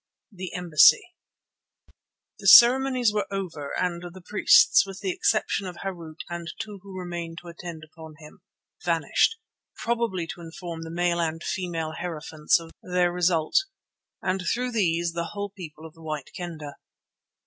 THE EMBASSY The ceremonies were over and the priests, with the exception of Harût and two who remained to attend upon him, vanished, probably to inform the male and female hierophants of their result, and through these the whole people of the White Kendah.